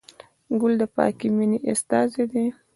ګل د پاکې مینې استازی دی.